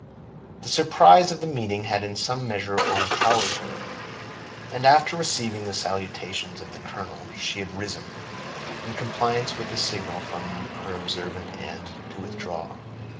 The surprise of the meeting had in some measure overpowered her, and after receiving the salutations of the colonel, she had risen, in compliance with a signal from her observant aunt, to withdraw.